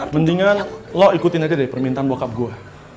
mendingan lo ikutin aja deh permintaan wakap gue